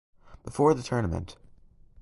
Before the tournament